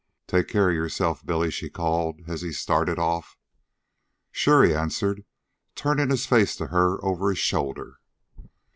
"Take care of yourself, Billy," she called, as he started off. "Sure," he answered, turning his face to her over his shoulder.